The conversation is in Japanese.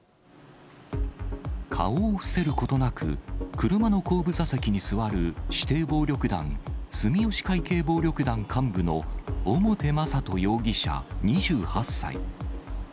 顔を伏せることなく、車の後部座席に座る、指定暴力団住吉会系暴力団幹部の表雅人容疑者２８歳。